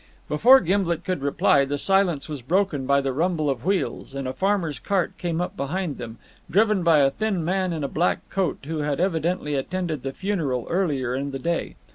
Before Gimblet could reply, the silence was broken by the rumble of wheels; and a farmer's cart came up behind them, driven by a thin man in a black coat, who had evidently attended the funeral earlier in the day.